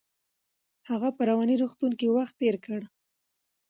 هغه په رواني روغتون کې وخت تیر کړ.